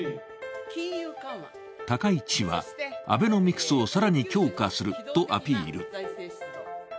高市氏は、アベノミクスを更に強化するとアピール。